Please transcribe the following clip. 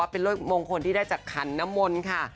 เป็นเลขมงคลที่ได้จากขันน้ำมนต์ค่ะ